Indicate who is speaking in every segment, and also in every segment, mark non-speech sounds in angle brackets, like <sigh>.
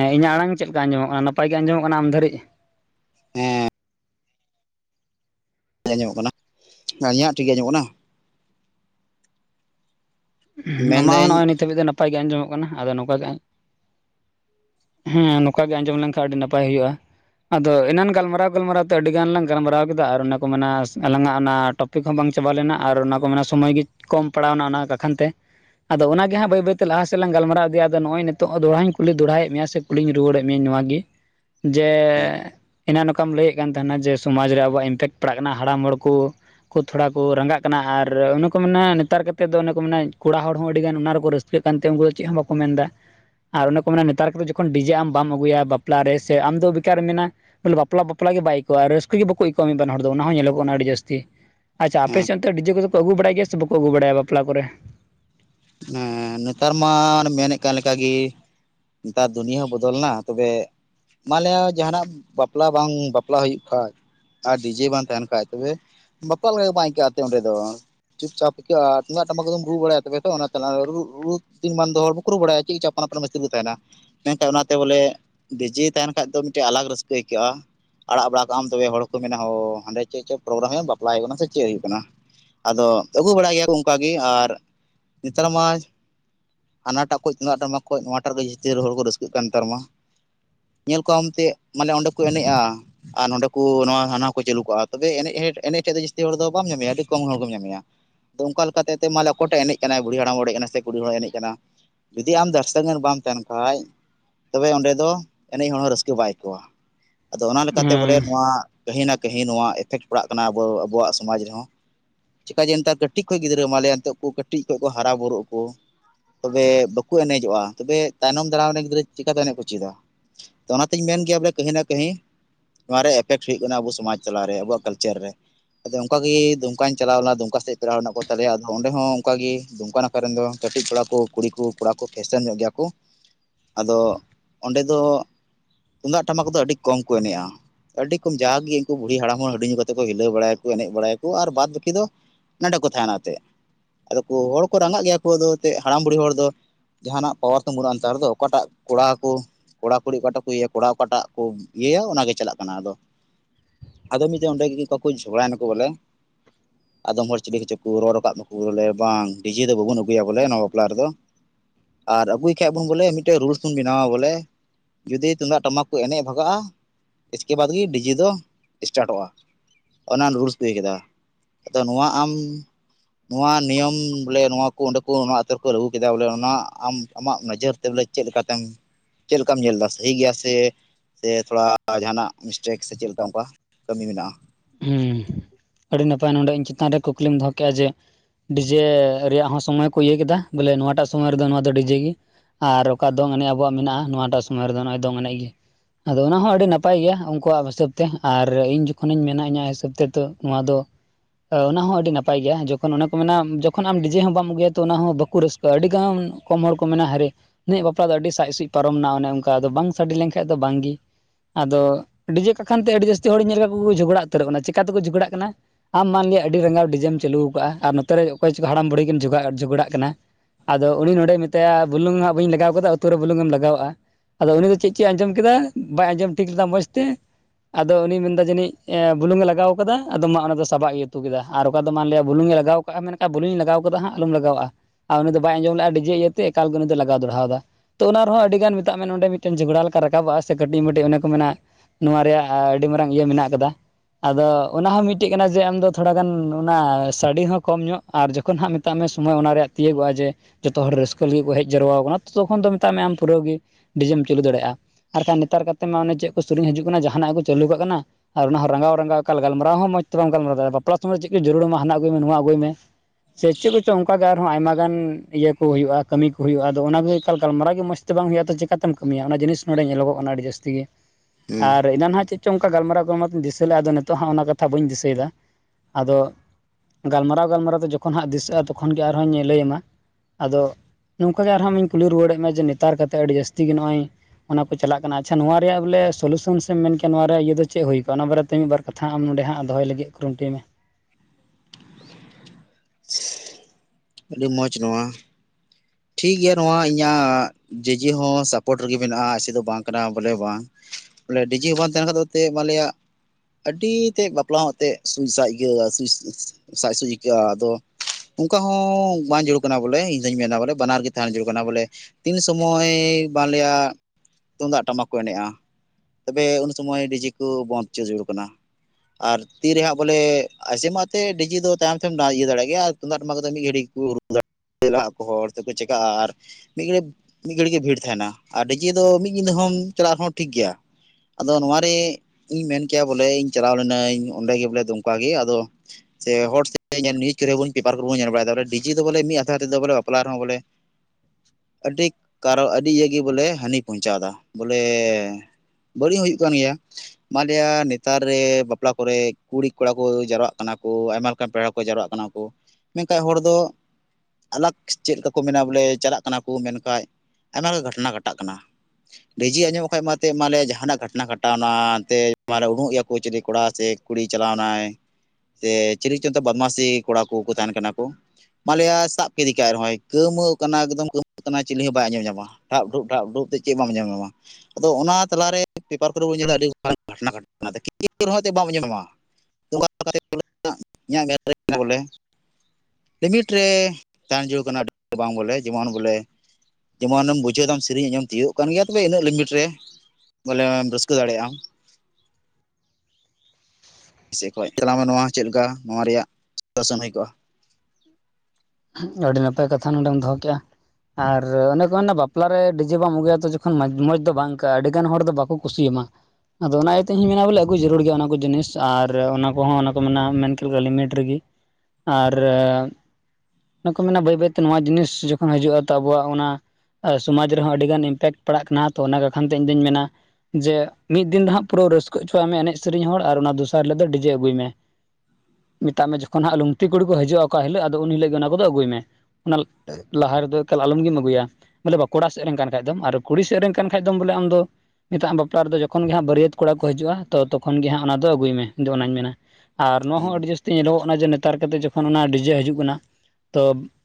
Speaker 1: ᱦᱮᱸ ᱤᱧᱟᱹᱜ ᱟᱲᱟᱝ ᱪᱮᱫ ᱞᱮᱠᱟ ᱟᱸᱡᱚᱢᱚᱜ ᱠᱟᱱᱟ? ᱱᱟᱯᱟᱭ ᱜᱮ ᱟᱸᱡᱚᱢᱚᱜ ᱠᱟᱱᱟ ᱟᱢ ᱫᱷᱟᱹᱨᱤᱡ᱾
Speaker 2: ᱦᱮᱸ ᱧᱟᱢᱚᱜ ᱠᱟᱱᱟ᱾ ᱦᱮᱸ ᱤᱧᱟᱹᱜ ᱴᱷᱤᱠ ᱜᱮ ᱟᱡᱚᱢ ᱢᱚᱜ ᱠᱟᱱᱟ?
Speaker 1: ᱟᱢᱟᱜ ᱦᱚᱸ
Speaker 2: ᱢᱮᱱᱫᱟᱹᱧ
Speaker 1: ᱱᱚᱜᱼᱚᱭ ᱱᱤᱛ ᱦᱟᱹᱵᱤᱡ ᱫᱚ ᱱᱟᱯᱟᱭ ᱜᱮ ᱟᱸᱡᱚᱢᱚᱜ ᱠᱟᱱᱟ᱾ ᱟᱫᱚ ᱱᱚᱝᱠᱟ ᱜᱮ ᱦᱮᱸ ᱱᱚᱝᱠᱟ ᱜᱮ ᱟᱸᱡᱚᱢ ᱞᱮᱱᱠᱷᱟᱱ ᱟᱹᱰᱤ ᱱᱟᱯᱟᱭ ᱦᱩᱭᱩᱜᱼᱟ᱾ ᱟᱫᱚ ᱮᱱᱟᱱ ᱜᱟᱞᱢᱟᱨᱟᱣ ᱜᱟᱞᱢᱟᱨᱟᱣ ᱛᱮ ᱟᱹᱰᱤ ᱜᱟᱱ ᱞᱟᱝ ᱜᱟᱞᱢᱟᱨᱟᱣ ᱠᱮᱫᱟ ᱟᱨ ᱚᱱᱮ ᱠᱚ ᱢᱮᱱᱟ ᱟᱞᱟᱝ ᱟᱜ ᱚᱱᱟ ᱴᱚᱯ ᱚᱠᱟ ᱦᱚᱸ ᱵᱟᱝ ᱪᱟᱵᱟ ᱞᱮᱱᱟ ᱟᱨ ᱚᱱᱟ ᱠᱚ ᱢᱮᱱᱟ ᱥᱚᱢᱚᱭ ᱜᱮ ᱠᱚᱢ ᱯᱟᱲᱟᱣᱱᱟ ᱚᱱᱟ ᱠᱟᱠᱷᱟᱱ ᱛᱮ᱾ ᱟᱫᱚ ᱚᱱᱟ ᱜᱮ ᱦᱟᱸᱜ ᱵᱟᱹᱭ ᱵᱟᱹᱭ ᱛᱮ ᱞᱟᱦᱟᱥᱮᱫ ᱞᱟᱝ ᱜᱟᱞᱢᱟᱨᱟᱣ ᱤᱫᱤᱭᱟ᱾ ᱟᱫᱚ ᱱᱚᱜᱼᱚᱭ ᱱᱤᱛᱚᱜ ᱫᱚᱦᱲᱟᱞᱟᱧ ᱠᱩᱞᱤ ᱫᱚᱨᱦᱟᱭᱮᱫ ᱢᱮᱭᱟ ᱥᱮ ᱠᱩᱞᱤᱧ ᱨᱩᱣᱟᱹᱲᱮᱫ ᱢᱮᱭᱟ ᱱᱚᱣᱟ ᱜᱮ᱾ ᱡᱮ ᱮᱱᱟ ᱱᱚᱝᱠᱟᱢ ᱞᱟᱹᱭᱮᱫ ᱠᱟᱱ ᱛᱟᱦᱮᱱᱟ ᱡᱮ ᱥᱚᱢᱟᱡᱽ ᱨᱮ ᱟᱵᱚᱣᱟᱜ ᱤᱢᱯᱮᱠᱴ ᱯᱟᱲᱟᱜ ᱠᱟᱱᱟ᱾ ᱦᱟᱲᱟᱢ ᱦᱚᱲ ᱠᱚ ᱠᱚ ᱛᱷᱚᱲᱟ ᱠᱚ ᱨᱟᱸᱜᱟᱜ ᱠᱟᱱᱟ ᱟᱨ ᱚᱱᱮ ᱠᱚ ᱢᱮᱱᱟ ᱱᱮᱛᱟᱨ ᱠᱟᱛᱮᱫ ᱫᱚ ᱚᱱᱮ ᱠᱚ ᱢᱮᱱᱟ ᱠᱚᱲᱟ ᱦᱚᱲ ᱦᱚᱸ ᱟᱹᱰᱤ ᱜᱟᱱ ᱚᱱᱟ ᱨᱮᱠᱚ ᱨᱟᱹᱥᱠᱟᱹᱜ ᱠᱟᱱ ᱛᱮ ᱩᱱᱠᱩ ᱫᱚ ᱪᱮᱫ ᱦᱚᱸ ᱵᱟᱠᱚ ᱢᱮᱱ ᱮᱫᱟ᱾ ᱟᱨ ᱚᱱᱮ ᱠᱚ ᱢᱮᱱᱟ ᱱᱮᱛᱟᱨ ᱠᱚᱫᱚ ᱡᱚᱠᱷᱚᱱ ᱰᱤᱡᱮ ᱟᱢ ᱵᱟᱢ ᱟᱹᱜᱩᱭᱟ ᱵᱟᱯᱞᱟ ᱨᱮ ᱥᱮ ᱟᱢ ᱫᱚ ᱵᱮᱠᱟᱨ ᱮᱢ ᱢᱮᱱᱟ ᱵᱚᱞᱮ ᱵᱟᱯᱞᱟ ᱵᱟᱯᱞᱟ ᱜᱮ ᱵᱟᱹᱭ ᱟᱹᱭᱠᱟᱹᱣ-ᱟ ᱨᱟᱹᱥᱠᱟᱹ ᱜᱮ ᱵᱟᱠᱚ ᱟᱹᱭᱟᱹᱣᱟ ᱢᱤᱫ ᱵᱟᱨ ᱦᱚᱲ ᱫᱚ ᱚᱱᱟ ᱦᱚᱸ ᱧᱮᱞᱚᱜ ᱠᱟᱱᱟ ᱟᱹᱰᱤ ᱡᱟᱹᱥᱛᱤ᱾ ᱟᱪᱪᱷᱟ
Speaker 2: ᱦᱮᱸ
Speaker 1: ᱟᱯᱮᱥᱮᱫ ᱫᱚ ᱰᱤᱡᱮ ᱠᱚ ᱫᱚ ᱠᱚ ᱟᱹᱜᱩ ᱵᱟᱲᱟᱭ ᱜᱮᱭᱟ ᱥᱮ ᱵᱟᱠᱚ ᱟᱹᱜᱩ ᱵᱟᱲᱟᱭᱟ ᱵᱟᱯᱞᱟ ᱠᱚᱨᱮ?
Speaker 2: ᱦᱮᱸ ᱱᱮᱛᱟᱨ ᱢᱟ ᱢᱮᱱᱮᱫ ᱠᱟᱱ ᱞᱮᱠᱟ ᱜᱮ ᱱᱮᱛᱟᱨ ᱫᱩᱱᱤᱭᱟᱹ ᱦᱚᱸ ᱵᱚᱫᱚᱞ ᱮᱱᱟ᱾ ᱛᱚᱵᱮ ᱢᱟᱞᱮᱭᱟ ᱡᱟᱦᱟᱱᱟᱜ ᱵᱟᱯᱞᱟ ᱵᱟᱝ ᱵᱟᱯᱞᱟ ᱦᱩᱭᱩᱜ ᱠᱷᱟᱱ ᱟᱨ ᱰᱤᱡᱮ ᱵᱟᱝ ᱛᱟᱦᱮᱱ ᱠᱷᱟᱡ ᱛᱚᱵᱮ ᱵᱟᱯᱞᱟ ᱞᱮᱠᱟ ᱜᱮ ᱵᱟᱝ ᱟᱹᱭᱠᱟᱹᱜᱼᱟ ᱛᱚᱵᱮ ᱚᱸᱰᱮ ᱫᱚ᱾ ᱪᱩᱯ ᱪᱟᱯ ᱟᱹᱭᱠᱟᱹᱜ-ᱟ ᱛᱩᱢᱫᱟᱜ ᱴᱟᱢᱟᱠ ᱫᱚᱢ ᱨᱩ ᱵᱟᱲᱟᱭᱟ ᱛᱚᱵᱮ ᱛᱚ᱾ ᱚᱱᱟ ᱛᱟᱞᱟᱨᱮ ᱨᱩ ᱨᱩ ᱛᱤᱱ ᱢᱟᱱ ᱫᱚ ᱦᱚᱲ ᱠᱚᱠᱚ ᱨᱩ ᱵᱟᱲᱟᱭᱟ ᱪᱩᱯ ᱪᱟᱯ ᱚᱱᱟ ᱠᱚᱨᱮ ᱟᱪᱩᱨ ᱵᱟᱲᱟ ᱛᱟᱦᱮᱱᱟ᱾ ᱢᱮᱱᱠᱷᱟᱱ ᱚᱱᱟᱛᱮ ᱵᱚᱞᱮ ᱰᱤᱡᱤ ᱮ ᱛᱟᱦᱮᱸᱱ ᱠᱷᱟᱡ ᱫᱚ ᱢᱤᱫᱴᱮᱱ ᱟᱞᱟᱜᱽ ᱨᱟᱹᱥᱠᱟᱹ ᱟᱹᱭᱠᱟᱹᱜᱼᱟ᱾ ᱟᱲᱟᱜ ᱵᱟᱲᱟ ᱠᱟᱜ ᱟᱢ ᱛᱚᱵᱮ ᱦᱚᱲ ᱠᱚ ᱢᱮᱱᱟ ᱦᱳ ᱦᱟᱸᱰᱮ ᱪᱮᱫ ᱪᱮᱫ ᱯᱨᱳᱜᱨᱟᱢ ᱦᱩᱭᱩᱜᱼᱟ ᱵᱟᱯᱞᱟ ᱦᱩᱭᱩᱜ ᱠᱟᱱᱟ ᱥᱮ ᱪᱮᱫ ᱦᱩᱭᱩᱜ ᱠᱟᱱᱟ? ᱟᱫᱚ ᱟᱹᱜᱩ ᱵᱟᱲᱟᱭ ᱜᱮᱭᱟ ᱠᱚ ᱚᱱᱠᱟᱜ ᱜᱮ ᱟᱨ ᱱᱮᱛᱟᱨ ᱢᱟ ᱦᱟᱱᱟᱴᱟᱜ ᱠᱷᱚᱡ ᱛᱩᱢᱫᱟᱜ ᱴᱟᱢᱟᱠ ᱠᱷᱚᱡ ᱱᱚᱣᱟᱴᱟᱜ ᱨᱮᱜᱮ ᱡᱟᱹᱥᱛᱤ ᱦᱚᱲ ᱠᱚ ᱨᱟᱹᱥᱠᱟᱹᱜ ᱠᱟᱱ ᱱᱮᱛᱟᱨ ᱢᱟ᱾ ᱧᱮᱞ ᱠᱚᱣᱟᱢ ᱛᱮᱜ ᱢᱟᱱᱮ ᱚᱸᱰᱮ ᱠᱚ ᱮᱱᱮᱡᱼᱟ᱾ ᱟᱨ ᱱᱚᱸᱰᱮ ᱠᱩ ᱱᱚᱣᱟ ᱦᱟᱱᱟ ᱠᱚ ᱪᱟᱹᱞᱩ ᱠᱟᱜᱼᱟ᱾ ᱛᱚᱵᱮ ᱮᱱᱮᱡ ᱦᱮᱰ ᱮᱱᱮᱡ ᱴᱷᱮᱡ ᱫᱚ ᱡᱟᱹᱥᱛᱤ ᱦᱚᱲ ᱫᱚ ᱵᱟᱢ ᱧᱟᱢᱮᱭᱟ, ᱟᱹᱰᱤ ᱠᱚᱢ ᱦᱚᱲ ᱜᱮᱢ ᱧᱟᱢᱮᱭᱟ᱾ ᱫᱚ ᱚᱱᱠᱟ ᱞᱮᱠᱟᱛᱮ ᱛᱮ ᱢᱟ ᱞᱮᱹᱭᱢᱮ ᱚᱠᱚᱭᱴᱮᱜ ᱮ ᱮᱱᱮᱡ ᱠᱟᱱᱟᱭ ᱵᱩᱲᱤ ᱦᱟᱲᱟᱢ ᱦᱚᱨ ᱮᱱᱮᱡ ᱠᱟᱱᱟ ᱥᱮ ᱵᱩᱰᱦᱤ ᱦᱚᱲ ᱮ ᱮᱱᱮᱡ ᱠᱟᱱᱟ ᱡᱩᱫᱤ ᱟᱢ ᱫᱟᱨᱥᱚᱠ ᱧᱮᱞ ᱵᱟᱢ ᱛᱟᱦᱮᱸᱱ ᱠᱷᱟᱡ ᱛᱚᱵᱮ ᱚᱸᱰᱮ ᱫᱚ ᱮᱱᱮᱡ ᱦᱚᱲ ᱦᱚᱸ ᱨᱟᱹᱥᱠᱟᱹ ᱵᱟᱭ ᱟᱹᱭᱠᱟᱹᱣᱟ᱾ ᱟᱫᱚ ᱚᱱᱟ ᱞᱮᱠᱟᱛᱮ ᱵᱚᱞᱮ
Speaker 1: ᱦᱮᱸ
Speaker 2: ᱱᱚᱣᱟ ᱠᱟᱹᱦᱤ ᱱᱟ ᱠᱟᱹᱦᱤ ᱱᱚᱣᱟ ᱮᱯᱷᱮᱠᱴ ᱯᱟᱲᱟᱜ ᱠᱟᱱᱟ ᱟᱵᱚ ᱟᱵᱚᱣᱟᱜ ᱥᱚᱢᱟᱡᱽ ᱨᱮᱸ ᱦᱚᱸ᱾ ᱪᱮᱠᱟ ᱡᱮ ᱱᱮᱛᱟᱨ ᱠᱟᱹᱴᱤᱡ ᱠᱷᱚᱡ ᱜᱤᱫᱽᱨᱟᱹ ᱮᱢᱟᱞᱮ ᱱᱤᱛᱚᱜ ᱠᱩ ᱠᱟᱹᱴᱤᱡ ᱠᱷᱚᱱ ᱠᱚ ᱦᱟᱨᱟ ᱵᱩᱨᱩᱜ᱾ ᱛᱚᱵᱮ ᱵᱟᱠᱚ ᱮᱱᱮᱡᱚᱜᱼᱟ, ᱛᱚᱵᱮ ᱛᱟᱭᱱᱚᱢ ᱫᱟᱨᱟᱢ ᱨᱮᱱ ᱜᱤᱫᱽᱨᱟᱹ ᱪᱮᱠᱟᱛᱮ ᱮᱱᱮᱡ ᱠᱚ ᱪᱮᱫᱟ? ᱛᱚ ᱚᱱᱟᱛᱤᱧ ᱢᱮᱱ ᱜᱮᱭᱟ ᱵᱚᱞᱮ ᱠᱟᱹᱦᱤᱱᱟ ᱠᱟᱹᱦᱤ ᱱᱚᱣᱟ ᱨᱮ ᱮᱯᱷᱮᱠᱴ ᱦᱩᱭᱩᱜ ᱠᱟᱱᱟ ᱟᱵᱚ ᱥᱚᱢᱟᱡᱽ ᱛᱟᱞᱟ ᱨᱮ ᱟᱵᱚᱣᱟᱜ ᱠᱟᱞᱪᱟᱨ ᱨᱮ᱾ ᱟᱫᱚ ᱚᱱᱠᱟ ᱜᱮ ᱫᱩᱢᱠᱟᱧ ᱪᱟᱞᱟᱣ ᱞᱮᱱᱟ᱾ ᱫᱩᱢᱠᱟ ᱥᱮᱫ ᱯᱮᱲᱟ ᱦᱚᱲ ᱢᱮᱱᱟᱜ ᱠᱚ ᱛᱟᱞᱮᱭᱟ᱾ ᱟᱫᱚ ᱚᱸᱰᱮ ᱦᱚᱸ ᱚᱱᱠᱟᱜ ᱜᱮ <unintelligible> ᱫᱩᱢᱠᱟ ᱨᱮᱱ ᱫᱚ ᱠᱟᱹᱴᱤᱡ ᱠᱚᱲᱟ ᱠᱚ ᱠᱩᱲᱤ ᱠᱚ ᱠᱚᱲᱟ ᱠᱚ ᱯᱷᱮᱥᱮᱱ ᱧᱚᱜ ᱜᱮᱭᱟ ᱠᱚ᱾ ᱟᱫᱚ ᱚᱸᱰᱮ ᱫᱚ ᱛᱩᱢᱫᱟᱜ ᱴᱟᱢᱟᱠ ᱠᱚ ᱫᱚ ᱟᱹᱰᱤ ᱠᱚᱢ ᱠᱚ ᱮᱱᱮᱡᱼᱟ᱾ ᱟᱹᱰᱤ ᱠᱚᱢ ᱡᱟᱹᱣ ᱜᱮ ᱩᱱᱠᱩ ᱵᱩᱲᱦᱤ ᱦᱟᱲᱟᱢ ᱦᱚᱲ ᱦᱟᱺᱰᱤ ᱧᱩ ᱵᱟᱨᱟ ᱠᱟᱛᱮ ᱠᱚ ᱦᱤᱞᱟᱹᱣ ᱵᱟᱲᱟᱭᱟᱠᱚ ᱮᱱᱮᱡ ᱵᱟᱲᱟᱭᱟᱠᱚ ᱟᱨ ᱵᱟᱫ ᱵᱟᱹᱠᱤ ᱫᱚ ᱱᱚᱰᱮ ᱠᱚ ᱛᱟᱦᱮᱱᱟ ᱮᱛᱮᱫ ᱟᱫᱚ ᱠᱚ ᱦᱚᱲ ᱠᱚ ᱨᱟᱸᱜᱟᱜ ᱜᱮᱭᱟ ᱠᱚ ᱟᱫᱚ ᱮᱛᱮᱫ ᱦᱟᱲᱟᱢ ᱵᱩᱲᱦᱤ ᱦᱚᱲ ᱫᱚ ᱡᱟᱦᱟᱱᱟᱜ ᱯᱟᱣᱟᱨ ᱛᱚ ᱵᱟᱹᱱᱩᱜᱼᱟ ᱱᱮᱛᱟᱨ ᱫᱚ ᱚᱠᱟᱴᱟᱜ ᱠᱚᱲᱟ ᱠᱚ ᱠᱚᱲᱟ ᱠᱩᱲᱤ ᱚᱠᱟᱴᱟᱜ ᱠᱚ ᱤᱭᱟᱹᱭᱟ ᱠᱚᱲᱟ ᱚᱠᱟᱴᱟᱜ ᱠᱚ ᱤᱭᱟᱹᱭᱟ ᱚᱱᱟ ᱜᱮ ᱪᱟᱞᱟᱜ ᱠᱟᱱᱟ ᱟᱫᱚ ᱟᱫᱚ ᱢᱤᱫ ᱫᱚ ᱚᱸᱰᱮ ᱜᱮᱤ ᱚᱱᱠᱟ ᱠᱚ ᱡᱷᱚᱜᱽᱲᱟᱭ ᱱᱟ ᱠᱚ ᱵᱚᱞᱮ ᱟᱫᱚᱢ ᱦᱚᱲ ᱪᱤᱞᱤ ᱠᱚᱪᱚ ᱠᱚ ᱨᱚᱲ ᱨᱟᱠᱟᱵ ᱫᱟᱠᱚ ᱵᱚᱞᱮ ᱵᱟᱝ ᱰᱤᱡᱮ ᱫᱚ ᱵᱟᱵᱚᱱ ᱟᱹᱜᱩᱭᱟ ᱵᱚᱞᱮ ᱱᱚᱣᱟ ᱵᱟᱯᱞᱟ ᱨᱮ ᱫᱚ ᱟᱨ ᱟᱹᱜᱩᱭ ᱠᱷᱟᱡ ᱵᱚᱱ ᱵᱚᱞᱮ ᱢᱤᱫᱴᱮᱱ ᱨᱩᱞᱥ ᱵᱚᱱ ᱵᱮᱱᱟᱣᱟ ᱵᱚᱞᱮ ᱡᱩᱫᱤ ᱛᱩᱢᱫᱟᱜ ᱴᱟᱢᱟᱠ ᱠᱚ ᱮᱱᱮᱡ ᱵᱷᱟᱜᱟᱜᱼᱟ ᱥᱠᱮ ᱵᱟᱫᱽ ᱜᱮ ᱰᱤᱡᱤ ᱫᱚ ᱥᱴᱟᱴᱚᱜᱼᱟ ᱚᱱᱟ ᱨᱩᱞᱥ ᱠᱚ ᱞᱟᱹᱭ ᱠᱮᱫᱟ ᱟᱫᱚ ᱱᱚᱣᱟ ᱟᱢ ᱱᱚᱣᱟ ᱱᱤᱭᱚᱢ ᱵᱚᱞᱮ ᱱᱚᱣᱟ ᱠᱚ ᱚᱸᱰᱮ ᱠᱚ ᱟᱛᱳ ᱨᱮ ᱠᱚ ᱞᱟᱹᱜᱩ ᱠᱮᱫᱟ ᱵᱚᱞᱮ ᱚᱱᱟ ᱟᱢ ᱟᱢᱟᱜ ᱱᱚᱡᱚᱨ ᱛᱮ ᱵᱚᱞᱮ ᱪᱮᱫ ᱞᱮᱠᱟ ᱛᱮᱢ ᱪᱮᱫ ᱞᱮᱠᱟᱢ ᱧᱮᱞ ᱫᱟ ᱥᱟᱹᱦᱤ ᱜᱮᱭᱟ ᱥᱮ ᱥᱮ ᱛᱷᱚᱲᱟ ᱡᱟᱦᱟᱱᱟᱜ ᱢᱤᱥᱴᱮᱠ ᱥᱮ ᱪᱮᱫ ᱞᱮᱠᱟ ᱚᱱᱠᱟ ᱠᱟᱹᱢᱤ ᱢᱮᱱᱟᱜᱼᱟ
Speaker 1: ᱦᱩᱸ ᱟᱹᱰᱤ ᱱᱟᱯᱟᱭ ᱱᱚᱸᱰᱮ ᱤᱧ ᱪᱮᱛᱟᱱ ᱨᱮ ᱠᱩᱠᱞᱤᱢ ᱫᱚᱦᱚ ᱠᱮᱜᱼᱟ ᱡᱮ ᱰᱤᱡᱮ ᱨᱮᱭᱟᱜ ᱦᱚᱸ ᱥᱚᱢᱚᱭ ᱠᱚ ᱤᱭᱟᱹ ᱠᱮᱫᱟ ᱵᱚᱞᱮ ᱱᱚᱣᱟᱴᱟᱜ ᱥᱚᱢᱚᱭ ᱨᱮ ᱫᱚ ᱱᱚᱣᱟ ᱫᱚ ᱰᱤᱡᱮ ᱜᱮ ᱟᱨ ᱚᱠᱟ ᱫᱚᱝ ᱮᱱᱮᱡ ᱟᱵᱚᱣᱟᱜ ᱢᱮᱱᱟᱜᱼᱟ ᱱᱚᱣᱟᱴᱟᱜ ᱥᱚᱢᱚᱭ ᱨᱮ ᱫᱚ ᱱᱚᱜᱼᱚᱭ ᱫᱚᱝ ᱮᱱᱮᱡ ᱜᱮ ᱟᱫᱚ ᱚᱱᱟ ᱦᱚᱸ ᱟᱹᱰᱤ ᱱᱟᱯᱟᱭ ᱜᱮᱭᱟ ᱩᱱᱠᱩᱣᱟᱜ ᱦᱤᱥᱟᱹᱵ ᱛᱮ ᱟᱨ ᱤᱧ ᱡᱚᱠᱷᱚᱱ ᱤᱧ ᱢᱮᱱᱟ ᱤᱧᱟᱹᱜ ᱦᱤᱥᱟᱹᱵ ᱛᱮᱫᱚ ᱱᱚᱣᱟ ᱫᱚ ᱚᱱᱟ ᱦᱚᱸ ᱟᱹᱰᱤ ᱱᱟᱯᱟᱭ ᱜᱮᱭᱟ ᱡᱚᱠᱷᱚᱱ ᱚᱱᱟ ᱠᱚ ᱢᱮᱱᱟ ᱡᱚᱠᱷᱚᱱ ᱟᱢ ᱰᱤᱢᱮ ᱦᱚᱸ ᱵᱟᱢ ᱟᱹᱜᱩᱭᱟ ᱛᱚ ᱚᱱᱟ ᱦᱚᱸ ᱵᱟᱠᱚ ᱨᱟᱹᱥᱠᱟᱹᱜ ᱟᱹᱰᱤᱜᱟᱱ ᱠᱚᱢ ᱦᱚᱲ ᱠᱚ ᱢᱮᱱᱟᱜᱼᱟ ᱱᱩᱭᱟᱹᱜ ᱵᱟᱯᱞᱟ ᱫᱚ ᱟᱹᱰᱤ ᱥᱟᱡ ᱥᱩᱡ ᱯᱟᱨᱚᱢ ᱱᱟ ᱚᱱᱮ ᱚᱱᱠᱟ ᱟᱫᱚ ᱵᱟᱝ ᱥᱟᱰᱮ ᱞᱮᱱᱠᱷᱟᱡ ᱫᱚ ᱵᱟᱝᱜᱮ ᱟᱫᱚ ᱰᱤᱡᱮ ᱠᱟᱠᱷᱟᱱ ᱛᱮ ᱟᱹᱰᱤ ᱡᱟᱹᱥᱛᱤ ᱦᱚᱲ ᱧᱮᱞ ᱠᱟᱜ ᱠᱩᱠᱩ ᱡᱷᱚᱜᱽᱲᱟ ᱩᱛᱟᱹᱨᱚᱜ ᱠᱟᱱᱟ ᱪᱮᱠᱟ ᱛᱮᱠᱚ ᱡᱷᱚᱜᱽᱲᱟᱜ ᱠᱟᱱᱟ ᱟᱢ ᱢᱟᱱᱞᱮᱭᱟ ᱟᱹᱰᱤ ᱨᱟᱸᱜᱟᱣ ᱰᱤᱡᱮᱢ ᱪᱟᱹᱞᱩ ᱟᱠᱟᱜᱼᱟ ᱟᱨ ᱱᱚᱛᱮᱨᱮ ᱚᱠᱚᱭ ᱦᱟᱲᱟᱢ ᱵᱩᱲᱦᱤ ᱠᱤᱱ ᱡᱚᱜᱽᱟᱲᱟᱜ ᱠᱟᱱᱟ ᱟᱫᱚ ᱩᱱᱤ ᱱᱚᱸᱰᱮᱭ ᱢᱮᱛᱟᱭᱟ ᱵᱩᱞᱩᱝ ᱦᱟᱜ ᱵᱟᱹᱧ ᱞᱟᱜᱟᱣ ᱠᱟᱫᱟ ᱩᱛᱩᱨ ᱨᱮ ᱵᱩᱞᱩᱝ ᱮᱢ ᱞᱟᱜᱟᱣᱼᱟ ᱟᱫᱚ ᱩᱱᱤ ᱫᱚ ᱪᱮᱫ ᱪᱚᱭ ᱟᱸᱡᱚᱢ ᱠᱮᱫᱟ ᱵᱟᱭ ᱟᱸᱡᱚᱢ ᱴᱷᱤᱠ ᱞᱮᱫᱟ ᱢᱚᱸᱡᱽ ᱛᱮ ᱟᱫᱚ ᱩᱱᱤᱭ ᱢᱮᱱᱫᱟ ᱡᱟᱹᱱᱤᱡ ᱮ ᱵᱩᱞᱩᱝᱮ ᱞᱟᱜᱟᱣ ᱠᱟᱫᱟ ᱟᱫᱚ ᱢᱟ ᱚᱱᱟ ᱫᱚ ᱥᱟᱵᱟᱜ ᱜᱤᱭ ᱩᱛᱩ ᱠᱮᱫᱟ ᱟᱨ ᱚᱠᱟ ᱫᱚ ᱢᱟᱱ ᱞᱮᱹᱭᱟ ᱵᱩᱞᱩᱝᱮ ᱞᱟᱜᱟᱣ ᱠᱮᱫ ᱢᱮᱱ ᱠᱟᱜ ᱵᱩᱞᱝᱤᱧ ᱞᱟᱜᱟᱣ ᱠᱟᱫᱟ ᱦᱟᱸ ᱟᱞᱚᱢ ᱞᱟᱜᱟᱣᱟ ᱟᱨ ᱩᱱᱤ ᱫᱚ ᱵᱟᱭ ᱟᱸᱡᱚᱢ ᱞᱮᱫᱼᱟ ᱰᱤᱡᱮ ᱤᱭᱟᱹᱛᱮ ᱮᱠᱟᱞ ᱜᱮ ᱩᱱᱤ ᱫᱚᱭ ᱞᱟᱜᱟᱣ ᱫᱚᱲᱦᱟᱣᱫᱟ ᱛᱚ ᱚᱱᱟ ᱨᱮᱦᱚᱸ ᱟᱹᱰᱤᱜᱟᱱ ᱢᱮᱛᱟᱜ ᱢᱮ ᱱᱚᱰᱮ ᱢᱤᱫᱴᱮᱱ ᱡᱷᱚᱜᱽᱲᱟ ᱞᱮᱠᱟ ᱨᱟᱠᱟᱵᱚᱜᱼᱟ ᱥᱮ ᱠᱟᱹᱴᱤᱡ ᱢᱟᱹᱴᱤᱡ ᱚᱱᱮ ᱠᱚ ᱢᱮᱱᱟ ᱱᱚᱣᱟ ᱨᱮᱭᱟᱜ ᱟᱹᱰᱤ ᱢᱟᱨᱟᱝ ᱤᱭᱟᱹ ᱢᱮᱱᱟᱜ ᱠᱟᱫᱟ ᱟᱫᱚ ᱚᱱᱟ ᱦᱚᱸ ᱢᱤᱫᱴᱮᱡ ᱠᱟᱱᱟ ᱡᱮ ᱟᱢᱫᱚ ᱛᱷᱚᱲᱟ ᱜᱟᱱ ᱚᱱᱟ ᱥᱟᱰᱮ ᱦᱚᱸ ᱠᱚᱢ ᱧᱚᱜ ᱟᱨ ᱡᱚᱠᱷᱚᱱ ᱡᱚᱠᱷᱚᱱ ᱦᱟᱸᱜ ᱢᱮᱛᱟᱜ ᱢᱮ ᱥᱚᱢᱚᱭ ᱚᱱᱟ ᱨᱮᱭᱟᱜ ᱛᱤᱭᱟᱹᱜᱚᱜᱼᱟ ᱡᱮ ᱡᱚᱛᱚ ᱦᱚᱲ ᱨᱟᱹᱥᱠᱟᱹ ᱞᱟᱹᱜᱤᱫ ᱠᱚ ᱦᱮᱡ ᱡᱟᱨᱣᱟ ᱠᱟᱱᱟ ᱛᱚᱠᱷᱚᱱ ᱫᱚ ᱢᱮᱛᱟᱜ ᱢᱮ ᱟᱢ ᱯᱩᱨᱟᱹ ᱜᱮ ᱰᱤᱡᱮᱢ ᱪᱟᱹᱞᱩ ᱫᱟᱲᱮᱭᱟᱜᱼᱟ ᱟᱨᱠᱷᱟᱱ ᱱᱮᱛᱟᱨ ᱠᱟᱛᱮᱫ ᱢᱟ ᱚᱱᱮ ᱪᱮᱫ ᱠᱚ ᱥᱮᱨᱮᱧ ᱦᱤᱡᱩᱜ ᱠᱟᱱᱟ ᱡᱟᱦᱟᱱᱟᱜ ᱠᱚ ᱪᱟᱹᱞᱩ ᱠᱟᱜ ᱠᱟᱱᱟ ᱟᱨ ᱚᱱᱟ ᱦᱚᱸ ᱨᱟᱸᱜᱟᱣ ᱨᱟᱸᱜᱟᱣ ᱮᱠᱟᱞ ᱜᱟᱞᱢᱟᱨᱟᱣ ᱦᱚᱸ ᱢᱚᱡᱽ ᱛᱮ ᱵᱟᱢ ᱜᱟᱞᱢᱟᱨᱟᱣ ᱫᱟᱲᱮᱼᱟ ᱵᱟᱯᱞᱟ ᱥᱚᱢᱚᱭ ᱪᱮᱫ ᱠᱚ ᱡᱟᱹᱨᱩᱲᱟ ᱢᱟ ᱦᱟᱱᱟ ᱟᱹᱜᱩᱭ ᱢᱮ ᱱᱚᱣᱟ ᱟᱹᱜᱩᱭ ᱢᱮ ᱥᱮ ᱪᱮᱫ ᱠᱚᱪᱚᱝ ᱚᱱᱠᱟᱜᱮ ᱦᱚᱸ ᱟᱭᱢᱟ ᱜᱟᱱ ᱤᱭᱟᱹ ᱠᱩ ᱦᱩᱭᱩᱜᱼᱟ ᱠᱟᱹᱢᱤ ᱠᱩ ᱦᱩᱭᱩᱜᱼᱟ ᱟᱫᱚ ᱚᱱᱟᱜᱮ ᱮᱠᱟᱞ ᱜᱟᱞᱢᱟᱨᱟᱣ ᱜᱮ ᱢᱚᱡᱽᱛᱮ ᱵᱟᱝ ᱦᱩᱭᱩᱜᱼᱟ ᱛᱚ ᱪ ᱪᱮᱠᱟᱛᱮᱢ ᱠᱟᱹᱢᱤᱭᱟ ᱚᱱᱟ ᱡᱤᱱᱤᱥ ᱱᱚᱰᱮ ᱧᱮᱞᱚᱜᱚᱜ ᱠᱟᱱᱟ ᱟᱹᱰᱤ ᱡᱟᱹᱥᱛᱤ ᱜᱮ
Speaker 2: ᱦᱩᱸ
Speaker 1: ᱟᱨ ᱮᱱᱟᱱᱦᱟᱜ ᱪᱮᱫ ᱪᱚᱝ ᱚᱱᱠᱟ ᱜᱟᱞᱢᱟᱨᱟᱣ ᱠᱚ ᱢᱟ ᱛᱚᱧ ᱫᱤᱥᱟᱹ ᱞᱮᱫᱼᱟ ᱟᱫᱚ ᱱᱤᱛᱚᱜ ᱦᱟᱸᱜ ᱚᱱᱟ ᱠᱟᱛᱷᱟ ᱵᱟᱹᱧ ᱫᱤᱥᱟᱹᱭᱮᱫᱟ ᱟᱫᱚ ᱜᱟᱞᱢᱟᱨᱟᱣ ᱜᱟᱞᱢᱟᱨᱟᱣ ᱛᱮ ᱡᱚᱠᱷᱚᱱ ᱦᱟᱸᱜ ᱫᱤᱥᱟᱹᱜᱼᱟ ᱛᱚᱠᱷᱚᱱ ᱜᱮ ᱟᱨᱦᱚᱧ ᱞᱟᱹᱭ ᱟᱢᱟ ᱟᱫᱚ ᱱᱚᱝᱠᱟ ᱜᱮ ᱟᱨᱦᱚᱸᱧ ᱠᱩᱞᱤ ᱨᱩᱣᱟᱹᱲᱮᱫ ᱢᱮ ᱡᱮ ᱱᱮᱛᱟᱨ ᱠᱟᱛᱮ ᱟᱹᱰᱤ ᱡᱟᱹᱥᱛᱤ ᱜᱮ ᱱᱚᱜᱼᱚᱭ ᱚᱱᱟ ᱠᱚ ᱪᱟᱞᱟᱜ ᱠᱟᱱᱟ ᱟᱪᱪᱷᱟ ᱱᱚᱣᱟ ᱨᱮᱭᱟᱜ ᱵᱚᱞᱮ ᱥᱚᱞᱩᱥᱚᱱ ᱥᱮᱢ ᱢᱮᱱ ᱠᱮ ᱱᱚᱣᱟ ᱨᱮᱭᱟᱜ ᱤᱭᱟᱹ ᱪᱮᱫ ᱦᱩᱭᱠᱚᱜᱼᱟ ᱚᱱᱟ ᱵᱟᱨᱮᱛᱮ ᱢᱤᱫ ᱵᱟᱨ ᱠᱟᱛᱷᱟ ᱟᱢ ᱱᱚᱸᱰᱮ ᱦᱟᱸᱜ ᱫᱚᱦᱚᱭ ᱞᱟᱹᱜᱤᱫ ᱠᱩᱨᱩᱢᱴᱩᱭ ᱢᱮ
Speaker 2: ᱟᱹᱰᱤ ᱢᱚᱸᱡᱽ ᱱᱚᱣᱟ ᱴᱷᱤᱠ ᱜᱮᱭᱟ ᱱᱚᱣᱟ ᱤᱧᱟᱹᱜ ᱡᱮᱡᱮ ᱦᱚᱸ ᱥᱟᱯᱳᱨᱴ ᱨᱮᱜᱮ ᱢᱮᱱᱟᱜᱼᱟ ᱮᱥᱮ ᱫᱚ ᱵᱟᱝ ᱠᱟᱱᱟ ᱵᱚᱞᱮ ᱵᱟᱝ ᱵᱚᱞᱮ ᱰᱤᱡᱮ ᱵᱟᱝ ᱛᱟᱦᱮᱱ ᱠᱷᱟᱡ ᱫᱚ ᱢᱟᱱ ᱞᱮᱭᱟ ᱟᱹᱰᱤᱛᱮᱫ ᱵᱟᱯᱞᱟ ᱦᱚᱸ ᱮᱛᱮᱫ ᱥᱩᱭ ᱥᱟᱡᱽ <unintelligible> ᱟᱹᱭᱠᱟᱹᱜᱼᱟᱩᱭ ᱥᱟᱡᱽ ᱥᱩᱭ ᱟᱹᱭᱠᱟᱹᱜᱼᱟ ᱟᱫᱚ ᱚᱱᱠᱟ ᱦᱚᱸ ᱵᱟᱝ ᱡᱩᱲ ᱠᱟᱱᱟ ᱵᱚᱞᱮ ᱤᱧ ᱫᱩᱧ ᱢᱮᱱᱟ ᱵᱚᱞᱮ ᱵᱟᱱᱟᱨ ᱜᱮ ᱛᱟᱦᱮᱱ ᱡᱟᱹᱨᱩᱲ ᱠᱟᱱᱟ ᱵᱚᱞᱮ ᱛᱤᱱ ᱥᱚᱢᱚᱭ ᱢᱟᱱ ᱞᱮᱭᱟ ᱛᱩᱢᱫᱟᱜ ᱴᱟᱢᱟᱠ ᱠᱚ ᱮᱱᱮᱡᱼᱟ ᱛᱚᱵᱮ ᱩᱱ ᱥᱚᱢᱚᱭ ᱰᱤᱡᱮ ᱠᱚ ᱵᱚᱱᱫᱷ ᱦᱚᱪᱚ ᱡᱟᱹᱨᱩᱲ ᱠᱟᱱᱟ ᱟᱨ ᱛᱤᱨᱮᱦᱟᱸᱜ ᱵᱚᱞᱮ ᱟᱥᱮᱢᱟᱛᱮ ᱰᱤᱡᱮ ᱫᱚ ᱛᱟᱭᱚᱢ ᱛᱮᱢ ᱤᱭᱟᱹ ᱫᱟᱲᱮᱭᱟᱜ ᱜᱮᱭᱟ ᱟᱨ ᱛᱩᱢᱫᱟᱜ ᱴᱟᱢᱟᱠ ᱫᱚ ᱢᱤᱫ ᱜᱷᱟᱹᱲᱤᱡ <inaudible> ᱟᱠᱚ ᱦᱚᱲ ᱛᱮᱠᱚ ᱪᱮᱠᱟᱹᱜᱼᱟ ᱟᱨ ᱢᱤᱫ ᱜᱷᱟᱹᱲᱤᱡ ᱢᱤᱫ ᱜᱷᱟᱹᱲᱤᱡ ᱜᱮ ᱵᱷᱤᱲ ᱛᱟᱦᱮᱱᱟ ᱟᱨ ᱰᱤᱡᱮ ᱫᱚ ᱢᱤᱫ ᱧᱤᱫᱟᱹ ᱦᱚᱢ ᱪᱟᱞᱟᱜ ᱨᱮᱦᱚᱸ ᱴᱷᱤᱠ ᱜᱮᱭᱟ ᱾ ᱟᱫᱚ ᱱᱚᱣᱟᱨᱮ ᱤᱧ ᱢᱮᱱ ᱠᱮᱭᱟ ᱵᱚᱞᱮ ᱤᱧ ᱪᱟᱞᱟᱣ ᱞᱮᱤᱱᱟᱹᱧ ᱚᱸᱰᱮ ᱜᱮ ᱵᱚᱞᱮ ᱫᱩᱢᱠᱟᱜᱮ ᱟᱫᱚ ᱥᱮ ᱦᱚᱲ ᱥᱮ ᱡᱟᱸᱦᱟᱱ ᱧᱮᱞ ᱱᱤᱭᱩᱡ ᱠᱚᱨᱮ ᱵᱚᱱ ᱯᱮᱯᱟᱨ ᱠᱚᱵᱚᱱ ᱧᱮᱞ ᱵᱟᱲᱟᱭᱟᱮ ᱰᱤᱡᱮ ᱫᱚ ᱵᱚᱞᱮ ᱢᱤᱫ ᱟᱛᱷᱟ ᱛᱮᱫᱚ ᱵᱚᱞᱮ ᱵᱟᱯᱞᱟ ᱦᱚᱸ ᱵᱚᱞᱮ ᱾ ᱟᱹᱰᱤ ᱠᱟᱨᱚ ᱟᱹᱰᱤ ᱤᱭᱟᱹ ᱜᱮ ᱵᱚᱞᱮ ᱦᱟᱹᱱᱤ ᱯᱳᱣᱪᱷᱟᱣᱮᱫᱟ ᱵᱚᱞᱮ ᱵᱟᱹᱲᱤᱡᱽ ᱦᱩᱭᱩᱜ ᱠᱟᱱ ᱜᱮᱭᱟ ᱾ ᱢᱟᱱᱞᱤᱭᱟ ᱱᱮᱛᱟᱨ ᱨᱮ ᱵᱟᱯᱞᱟ ᱠᱚᱨᱮᱜ ᱠᱩᱲᱤ ᱠᱚᱲᱟ ᱠᱚ ᱡᱟᱣᱨᱟᱜ ᱠᱟᱱᱟ ᱠᱚ ᱟᱭᱢᱟ ᱯᱮᱲᱟ ᱠᱚ ᱡᱟᱣᱨᱟᱜ ᱠᱟᱱᱟ ᱠᱚ ᱢᱮᱱᱠᱷᱟᱡᱽ ᱦᱚᱲ ᱫᱚ ᱟᱞᱟᱜᱽ ᱪᱮᱫ ᱞᱮᱠᱟ ᱠᱚ ᱢᱮᱱᱟ ᱵᱚᱞᱮ ᱪᱟᱞᱟᱜ ᱠᱟᱱᱟ ᱠᱚ ᱢᱮᱱᱠᱷᱟᱡᱽ ᱟᱭᱢᱟ ᱜᱷᱚᱴᱚᱱᱟ ᱜᱷᱚᱴᱟᱜ ᱠᱟᱱᱟ ᱾ ᱰᱤᱡᱮ ᱟᱸᱡᱚᱢᱚᱜ ᱠᱷᱟᱱ ᱢᱟᱛᱮᱫ ᱢᱟᱱᱞᱮᱭᱟ ᱡᱟᱦᱟᱱᱟᱜ ᱜᱷᱚᱴᱚᱱᱟ ᱜᱷᱚᱴᱟᱣ ᱮᱱᱟ ᱮᱱᱛᱮ ᱢᱟᱞᱮ ᱩᱰᱩᱜ ᱜᱮᱭᱟ ᱠᱚ ᱪᱮᱞᱮ ᱠᱚᱲᱟ ᱥᱮ ᱠᱩᱲᱤᱭ ᱪᱟᱞᱟᱣᱱᱟᱭ ᱾ ᱥᱮ ᱪᱤᱞᱤᱪ ᱚᱱᱛᱚ ᱵᱟᱫᱢᱟᱥᱤ ᱠᱚᱲᱟ ᱠᱚ ᱛᱟᱦᱮᱱ ᱠᱟᱱᱟ ᱠᱩ ᱢᱟᱞᱮᱭᱟ ᱥᱟᱵ ᱠᱮᱫᱤ - ᱪᱤᱠᱟᱭ ᱨᱮᱦᱚᱸᱚᱭ ᱠᱟᱹᱣᱢᱟᱹᱜ ᱠᱟᱱᱟ <unintelligible> ᱮᱠᱚᱢᱟᱹᱜ ᱠᱟᱱᱟ ᱪᱤᱞᱤ ᱦᱚᱸ ᱵᱟᱭ ᱟᱸᱡᱚᱢ ᱧᱟᱢᱚᱜᱼᱟ ᱰᱷᱟᱵ ᱰᱷᱩᱵ ᱛᱮ ᱪᱮᱫ ᱵᱟᱢ ᱟᱸᱚᱢ ᱧᱟᱢᱟ ᱾ ᱟᱫᱚ ᱚᱱᱟ ᱛᱟᱞᱟᱨᱮ ᱯᱮᱯᱟᱨ ᱠᱚᱨᱮ ᱵᱚᱱ ᱧᱮᱞᱟ ᱟᱹᱰᱤ ᱟᱹᱰᱤ ᱢᱟᱨᱟᱝ ᱜᱷᱚᱴᱱᱟ ᱜᱷᱚᱴᱱᱟᱚᱭ ᱠᱤᱪᱷᱩ ᱨᱮᱦᱚᱸᱭ ᱵᱟᱢ ᱟᱸᱡᱚᱢᱟᱢᱟ ᱾ <unintelligible> ᱤᱧᱟᱹᱜ ᱵᱚᱞᱮ ᱞᱤᱢᱤᱴ ᱨᱮ ᱛᱟᱦᱮᱱ ᱡᱩᱲᱟᱹ ᱠᱟᱱᱟ <unintelligible> ᱵᱟᱝ ᱵᱚᱞᱮ ᱡᱮᱢᱚᱱ ᱵᱚᱞᱮ ᱡᱮᱢᱚᱱ ᱱᱮᱢ ᱵᱩᱡᱷᱟᱹᱣ ᱮᱫᱟᱢ ᱥᱮᱨᱮᱧ ᱟᱸᱡᱚᱢ ᱛᱤᱭᱳᱜ ᱠᱟᱱ ᱜᱮᱭᱟ ᱛᱚᱵᱮ ᱤᱱᱟᱹᱜ ᱞᱤᱢᱤᱴ ᱨᱮ᱾ ᱵᱚᱞᱮ ᱟᱢ ᱨᱟᱹᱥᱠᱟᱹ ᱫᱟᱲᱮᱭᱟᱜᱼᱟ᱾ ᱥᱮᱫ ᱠᱷᱚᱱ ᱛᱟᱞᱟᱝ ᱢᱮ ᱱᱚᱣᱟ ᱪᱮᱫ ᱞᱮᱠᱟ? ᱱᱚᱣᱟ ᱨᱮᱭᱟᱜ ᱥᱟᱥᱚᱱ ᱦᱩᱭ ᱠᱚᱜᱼᱟ᱾
Speaker 1: ᱟᱹᱰᱤ ᱱᱟᱯᱟᱭ ᱠᱟᱛᱷᱟ ᱱᱚᱰᱮᱢ ᱫᱚᱦᱚ ᱠᱮᱫᱼᱟ᱾ ᱟᱨ ᱚᱱᱮ ᱠᱚ ᱢᱮᱱᱟ ᱵᱟᱯᱞᱟ ᱨᱮ ᱰᱤᱡᱮ ᱵᱟᱢ ᱟᱹᱜᱩᱭᱟ᱾ ᱛᱚ ᱡᱚᱠᱷᱚᱱ ᱢᱚᱸᱡᱽ ᱫᱚ ᱵᱟᱝ ᱟᱹᱭᱠᱟᱹᱜᱼᱟ᱾ ᱟᱹᱰᱤ ᱜᱟᱱ ᱦᱚᱲ ᱫᱚ ᱵᱟᱠᱚ ᱠᱩᱥᱤᱭ ᱟᱢᱟ᱾ ᱟᱫᱚ ᱚᱱᱟ ᱤᱭᱟᱹᱛᱮ ᱤᱧ ᱢᱮᱱᱟ ᱵᱚᱞᱮ ᱟᱹᱜᱩ ᱡᱟᱹᱨᱩᱲ ᱜᱮᱭᱟ ᱚᱱᱟ ᱠᱚ ᱡᱤᱱᱤᱥ ᱟᱨ ᱚᱱᱟ ᱠᱚᱦᱚᱸ ᱚᱱᱟ ᱠᱚ ᱢᱮᱱᱟᱜᱼᱟ, ᱢᱮᱱ ᱠᱮᱜ ᱞᱮᱠᱟ ᱞᱤᱢᱤᱴ ᱨᱮᱜᱮ᱾ ᱟᱨ ᱚᱱᱟ ᱠᱚ ᱢᱮᱱᱟ ᱵᱟᱹᱭ ᱵᱟᱹᱭᱛᱮ ᱱᱚᱣᱟ ᱡᱤᱱᱤᱥ ᱡᱚᱠᱷᱚᱱ ᱦᱤᱡᱩᱜᱼᱟ᱾ ᱛᱚ ᱟᱵᱚᱣᱟᱜ ᱚᱱᱟ ᱟᱨ ᱥᱚᱢᱟᱡᱽ ᱨᱮᱦᱚᱸ ᱟᱹᱰᱤᱜᱟᱱ ᱤᱢᱯᱮᱠᱴ ᱯᱟᱲᱟᱜ ᱠᱟᱱᱟ ᱛᱚ ᱚᱱᱟᱠᱚ ᱠᱷᱟᱱ ᱛᱮ ᱤᱧᱫᱩᱧ ᱢᱮᱱᱟ ᱡᱮ ᱢᱤᱫ ᱫᱤᱱ ᱦᱟᱸᱜ ᱯᱩᱨᱟᱹ ᱨᱟᱹᱥᱠᱟᱹ ᱦᱚᱪᱚᱣᱟᱜᱟᱭ ᱢᱮ ᱮᱱᱮᱡ ᱥᱮᱨᱮᱧ ᱦᱚᱲ ᱟᱨ ᱚᱱᱟ ᱫᱚᱥᱟᱨ ᱦᱤᱞᱳᱜ ᱫᱚ ᱰᱤᱡᱮ ᱟᱹᱜᱩᱭ ᱢᱮ ᱾ ᱢᱮᱛᱟᱜ ᱢᱮ ᱡᱚᱠᱷᱚᱱ ᱦᱟᱸᱜ ᱞᱩᱝᱛᱤ ᱠᱩᱲᱤ ᱠᱚ ᱦᱤᱡᱩᱜᱼᱟ᱾ ᱚᱠᱟ ᱦᱤᱞᱳᱜ ᱟᱫᱚ ᱩᱱ ᱦᱤᱞᱳᱜ ᱜᱮ ᱚᱱᱟ ᱠᱚᱫᱚ ᱟᱹᱜᱩᱭ ᱢᱮ᱾ ᱚᱱᱟ ᱞᱟᱦᱟ ᱨᱮᱫᱚ ᱮᱠᱟᱞ ᱟᱞᱚᱢ ᱜᱮᱢ ᱟᱹᱜᱩᱭᱟ᱾ ᱵᱚᱞᱮ ᱵᱟ ᱠᱚᱲᱟ ᱥᱮᱜ ᱨᱮᱱ ᱠᱷᱟᱡᱽ ᱠᱷᱟᱱ ᱫᱚᱢ ᱟᱨ ᱠᱩᱲᱤ ᱥᱮᱫ ᱨᱮᱱ ᱠᱷᱟᱡᱽ ᱠᱷᱟᱱ ᱟᱢ ᱫᱚ ᱱᱤᱛᱟᱜ ᱵᱟᱯᱞᱟ ᱨᱮ ᱡᱚᱠᱷᱚᱱ ᱜᱮ ᱦᱟᱸᱜ ᱵᱟᱹᱨᱭᱟᱹᱛ ᱠᱚᱲᱟ ᱠᱚ ᱦᱤᱡᱩᱜᱼᱟ᱾ ᱛᱚᱠᱷᱚᱱ ᱜᱮ ᱦᱟᱸᱜ ᱚᱱᱟ ᱫᱚ ᱟᱹᱜᱩᱭ ᱢᱮ, ᱤᱧᱫᱚ ᱚᱱᱟᱧ ᱢᱮᱱᱟ᱾ ᱟᱨ ᱱᱚᱣᱟ
Speaker 2: ᱦᱩᱸ
Speaker 1: ᱦᱚᱸ ᱟᱹᱰᱤ ᱡᱟᱹᱥᱛᱤ ᱧᱮᱞᱚᱜᱚᱜ ᱠᱟᱱᱟ᱾ ᱡᱮ ᱱᱮᱛᱟᱨ ᱠᱟᱛᱮ ᱡᱚᱠᱷᱚᱱ ᱚᱱᱟ ᱰᱤᱡᱮ ᱦᱤᱡᱩᱜ ᱠᱟᱱᱟ᱾ ᱛᱚ